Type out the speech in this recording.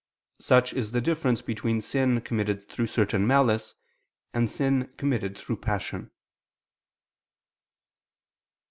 Such is the difference between sin committed through certain malice and sin committed through passion.